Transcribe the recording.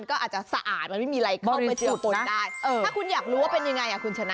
ก็อาจจะสะอาดมันไม่มีอะไรเข้ามาเจอฝนได้ถ้าคุณอยากรู้ว่าเป็นยังไงอ่ะคุณชนะ